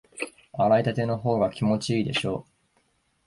洗いたてのほうが気持ちいいでしょ？